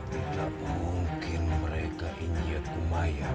tidak mungkin mereka iniat kumayan